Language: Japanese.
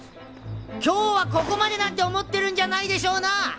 今日はここまでなんて思ってるんじゃないでしょうな！